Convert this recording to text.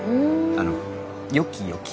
あの「よきよき」。